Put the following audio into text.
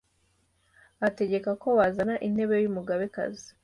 ategeka ko bazana intebe y’umugabekazi.